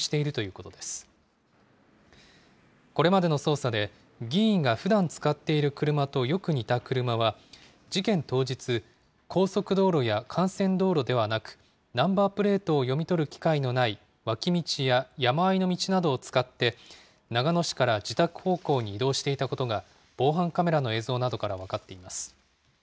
これまでの捜査で、議員がふだん使っている車とよく似た車は、事件当日、高速道路や幹線道路ではなく、ナンバープレートを読み取る機械のない脇道や山あいの道などを使って、長野市から自宅方向に移動していたことが、防犯カメラの映像などから分かっています。